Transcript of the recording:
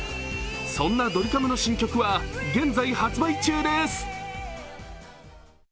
そんなドリカムの新曲は現在発売中です。